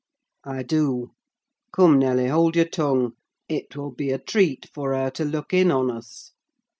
"I do. Come, Nelly, hold your tongue—it will be a treat for her to look in on us.